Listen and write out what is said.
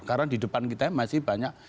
karena di depan kita masih banyak